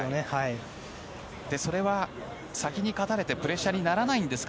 それは、先に勝たれてプレッシャーにならないんですか？